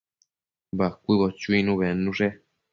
Bacuëbo chuinu bednushe